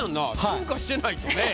進化してないとね。